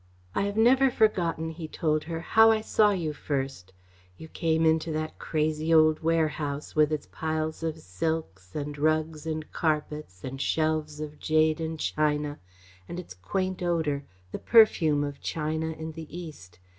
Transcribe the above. "I have never forgotten," he told her, "how I saw you first. You came into that crazy old warehouse with its piles of silks and rugs and carpets, and shelves of jade and china, and its quaint odour, the perfume of China and the East.